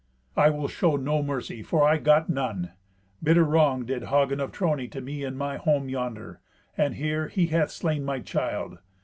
"I will show no mercy, for I got none. Bitter wrong did Hagen of Trony to me in my home yonder, and here he hath slain my child.